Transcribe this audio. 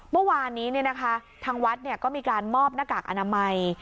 เมื่อวานนี้เนี่ยนะคะทางวัดเนี่ยก็มีการมอบหน้ากากอนามัย